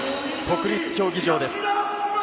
国立競技場です。